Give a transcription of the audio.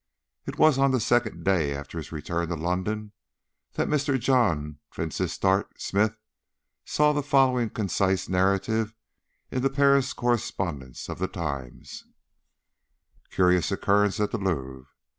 It was on the second day after his return to London that Mr. John Vansittart Smith saw the following concise narrative in the Paris correspondence of the Times: "Curious Occurrence in the Louvre.